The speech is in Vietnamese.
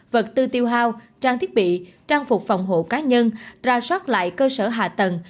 vật tư tiêu hao trang thiết bị trang phục phòng hộ cá nhân ra soát lại cơ sở hạ tầng